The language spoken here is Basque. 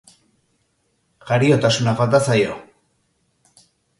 Jariotasuna falta zaio.